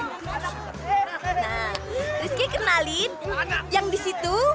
nah rizky kenalin yang di situ